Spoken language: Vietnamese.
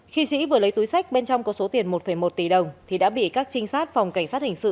khi sĩ vừa lấy túi sách bên trong có số tiền một một tỷ đồng thì đã bị các trinh sát phòng cảnh sát hình sự